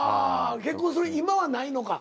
結婚する今はないのか？